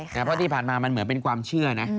เพราะที่ผ่านมามันเหมือนเป็นความเชื่อนะ